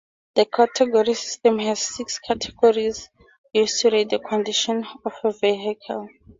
The category system has six categories used to rate the condition of a vehicle.